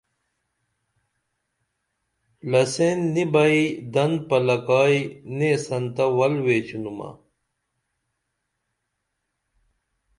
لسین نی بئی دن پلکائی نیسن تہ ول ویچینُمہ